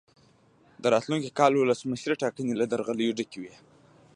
د راتلونکي کال ولسمشرۍ ټاکنې له درغلیو ډکې وې.